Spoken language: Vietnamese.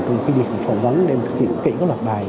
trong khi đi phỏng vấn để thực hiện kỹ các lọc bài